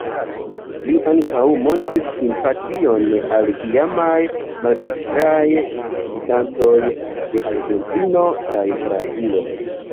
Li ankaŭ montris simpation al iamaj maldekstraj gvidantoj de Argentino kaj Brazilo.